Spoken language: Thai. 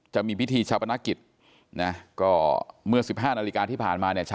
จะมีพิธีชาปนกิจนะก็เมื่อ๑๕นาฬิกาที่ผ่านมาเนี่ย